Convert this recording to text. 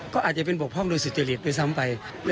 ก็อาจจะเป็นบกพร่องโดยสุจริตด้วยซ้ำไป